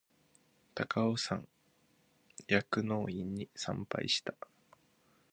高尾山薬王院に参拝した